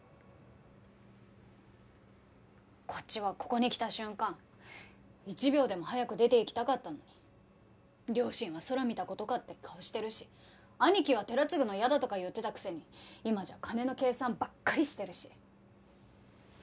こっちはここに来た瞬間一秒でも早く出ていきたかったのに両親はそら見た事かって顔してるし兄貴は寺継ぐの嫌だとか言ってたくせに今じゃ金の計算ばっかりしてるし。